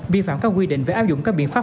vi phạm các quy định về áp dụng các biện pháp